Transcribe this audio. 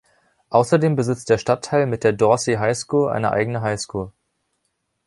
Außerdem besitzt der Stadtteil mit der "Dorsey High School" eine eigene High School.